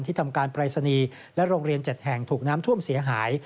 ทำการปรายศนีย์และโรงเรียน๗แห่งถูกน้ำท่วมเสียหาย